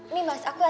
nih mas aku akhirnya